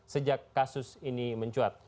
sejak kasus ini mencuat